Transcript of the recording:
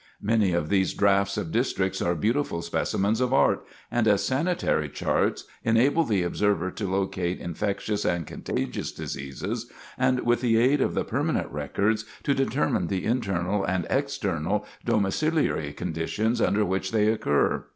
Many of these drafts of districts are beautiful specimens of art, and as sanitary charts enable the observer to locate infectious and contagious diseases, and with the aid of the permanent records, to determine the internal and external domiciliary conditions under which they occur.